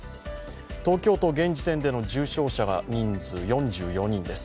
東京都現時点での重症者の人数は４４人です。